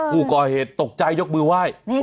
ผู้ก่อเหตุตกใจยกมือไหว้